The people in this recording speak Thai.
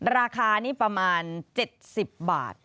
ราคานี่ประมาณ๗๐บาท